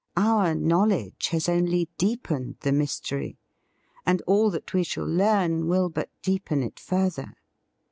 Our knowl edge has only deepened the mystery, and all that we shall learn will but deepen it further.